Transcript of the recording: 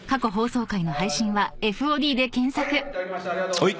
ありがとうございます。